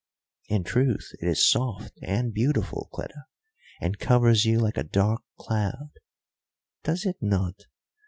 "In truth it is soft and beautiful, Cleta, and covers you like a dark cloud." "Does it not!